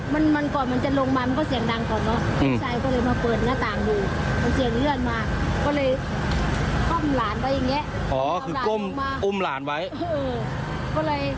มันมันก่อนมันจะลงมามันก็เสียงดังก่อนเนอะลูกชายก็เลย